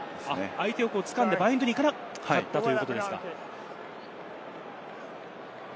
相手を掴んでバインドに行かなかったということですか。